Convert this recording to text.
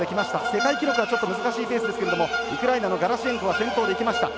世界記録はちょっと難しいペースですけれどもウクライナのガラシェンコが先頭でいきました。